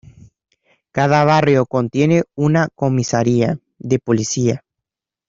Cada barrio contiene una comisaría de policía.